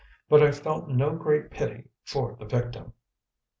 But I felt no great pity for the victim.